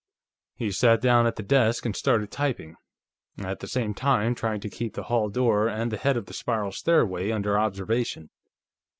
He sat down at the desk and started typing, at the same time trying to keep the hall door and the head of the spiral stairway under observation.